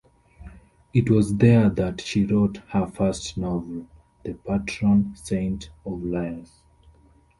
It was there that she wrote her first novel, "The Patron Saint of Liars".